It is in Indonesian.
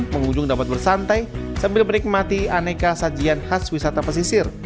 pengunjung dapat bersantai sambil menikmati aneka sajian khas wisata pesisir